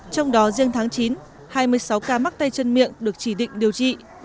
trong đó riêng tháng chín hai mươi sáu ca mắc tay chân miệng được chỉ định điều trị